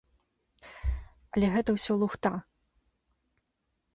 Але гэта ўсё лухта.